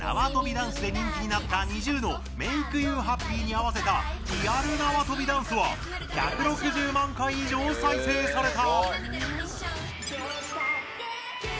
ダンスで人気になったＮｉｚｉＵの「Ｍａｋｅｙｏｕｈａｐｐｙ」に合わせたリアルなわとびダンスは１６０万回以上、再生された。